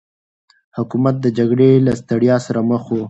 حکومت د جګړې له ستړيا سره مخ و.